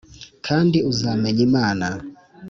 kandi uzamenya Imana